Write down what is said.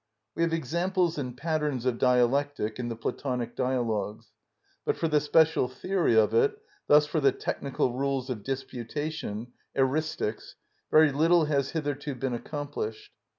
We have examples and patterns of dialectic in the Platonic dialogues; but for the special theory of it, thus for the technical rules of disputation, eristics, very little has hitherto been accomplished.